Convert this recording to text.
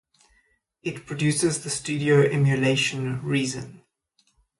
It produces the studio emulation Reason.